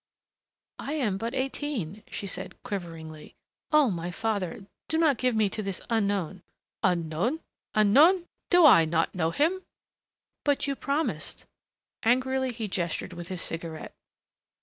"I am but eighteen," she said quiveringly. "Oh, my father, do not give me to this unknown " "Unknown unknown! Do I not know him?" "But you promised " Angrily he gestured with his cigarette.